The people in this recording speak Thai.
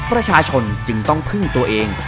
ประชาชนจึงต้องพึ่งตัวเอง